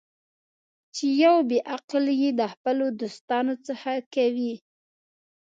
چې یو بې عقل یې د خپلو دوستانو څخه کوي.